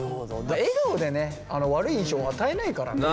笑顔でね悪い印象与えないからね。